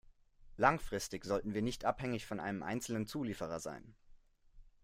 Langfristig sollten wir nicht abhängig von einem einzelnen Zulieferer sein.